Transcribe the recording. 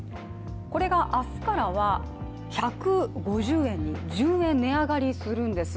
これが明日からは１５０円に１０円値上がりするんです。